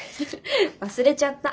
忘れちゃった。